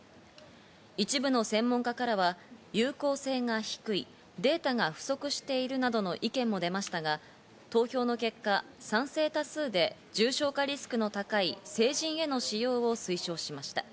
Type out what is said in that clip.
一部の専門家からは有効性が低い、データが不足しているなどの意見も出ましたが、投票の結果、賛成多数で重症化リスクの高い成人への使用を推奨しました。